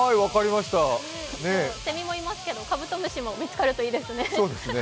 せみもいますけどカブトムシも見つかるといいですね。